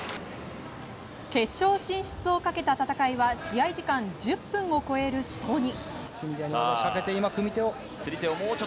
決勝進出をかけた戦いは試合時間１０分を超える死闘に。